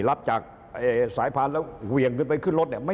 รับจากสายพานแล้วเหวี่ยงไปขึ้นรถ